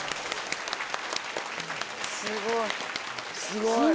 すごい！